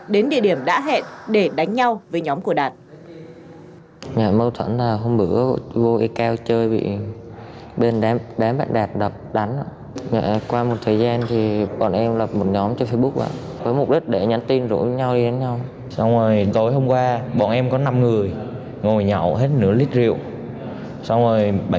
đến địa điểm đã hẹn để đánh giá